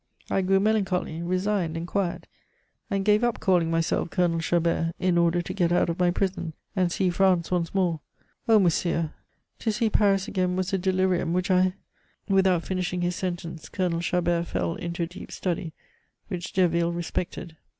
I grew melancholy, resigned, and quiet, and gave up calling myself Colonel Chabert, in order to get out of my prison, and see France once more. Oh, monsieur! To see Paris again was a delirium which I " Without finishing his sentence, Colonel Chabert fell into a deep study, which Derville respected.